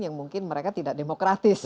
yang mungkin mereka tidak demokratis